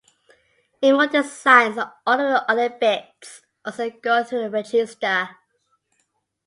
In most designs all of the other bits also go through a register.